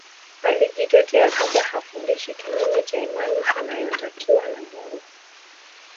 Alijitetea kwamba hafundishi kinyume cha imani inayotakiwa na Mungu